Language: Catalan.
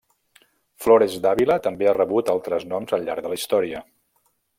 Flores d'Àvila també ha rebut altres noms al llarg de la història.